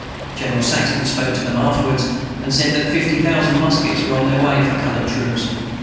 General Saxton spoke to them afterwards, and said that fifty thousand muskets were on their way for colored troops.